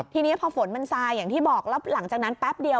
ทีนี้พอฝนมันซายอย่างที่บอกแล้วหลังจากนั้นแป๊บเดียว